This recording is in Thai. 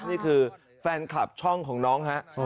นี่คือแฟนคลับช่องของน้องฮะ